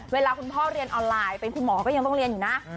เวลาคุณพ่อเรียนออนไลน์เป็นคุณหมอก็ยังต้องเรียนอยู่นะ